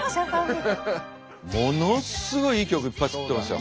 ものすごいいい曲いっぱい作っていますよ。